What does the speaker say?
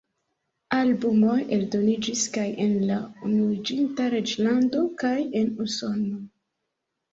Albumoj eldoniĝis kaj en la Unuiĝinta Reĝlando kaj en Usono.